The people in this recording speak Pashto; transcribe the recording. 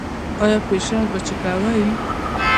ایا فشار به چیک کوئ؟